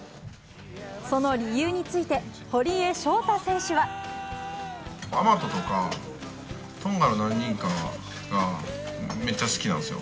その理由について、アマトとか、トンガの何人かがめっちゃ好きなんですよ。